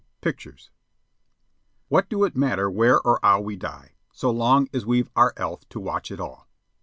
PICTURES "What do it matter where or 'ow we die, So long as we've our 'ealth to watch it all?"